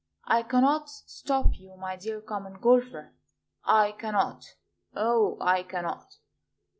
I cannot stop you, my dear Common Golfer, I cannot, O I cannot!